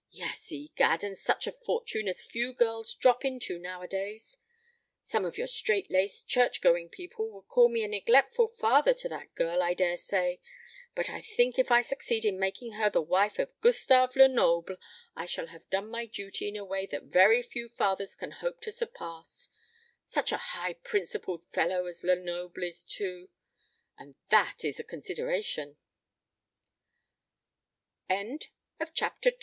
Yes, egad, and such a fortune as few girls drop into now a days! Some of your straitlaced church going people would call me a neglectful father to that girl, I daresay; but I think if I succeed in making her the wife of Gustave Lenoble, I shall have done my duty in a way that very few fathers can hope to surpass. Such a high principled fellow as Lenoble is too! and that is a consideration." CHAPTER III. "WHAT DO WE HERE, MY HEART AND I?"